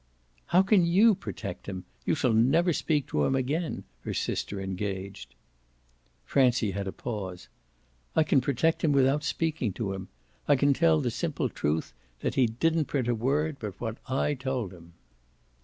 "How can you protect him? You shall never speak to him again!" her sister engaged. Francie had a pause. "I can protect him without speaking to him. I can tell the simple truth that he didn't print a word but what I told him."